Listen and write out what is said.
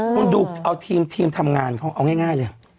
คุณดูเอาทีมทำงานเขาเอาง่ายเลย